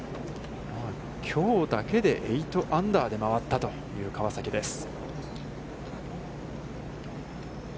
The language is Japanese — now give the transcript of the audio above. きょうだけで８アンダーで回ったという川崎です。